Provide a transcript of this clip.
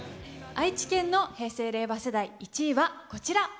愛知県の平成・令和世代１位はこちら。